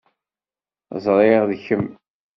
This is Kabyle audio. Ẓriɣ d kemm.